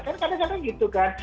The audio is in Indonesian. karena kadang kadang gitu kan